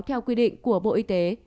theo quy định của bộ y tế